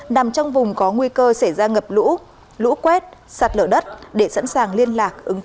nằm trong vùng có nguy cơ xảy ra ngập lũ lũ quét sạt lở đất để sẵn sàng liên lạc ứng cứu